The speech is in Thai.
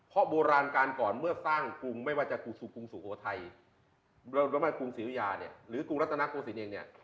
เพราะโบราณการก่อนเมื่อสร้างกรุงไม่ว่าจะกรุงสูโฮไทยหรือกรุงรัฐนาโกศิลป์เอง